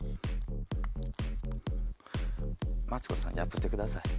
マツコさん破ってください。